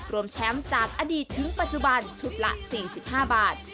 รวมแชมป์จากอดีตถึงปัจจุบันชุดละ๔๕บาท